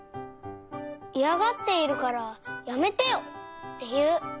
「イヤがっているからやめてよ！」っていう！